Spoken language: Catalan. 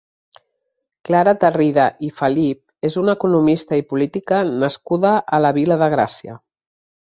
Clara Tarrida i Felip és una economista i política nascuda a la Vila de Gràcia.